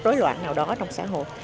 rối loạn nào đó trong xã hội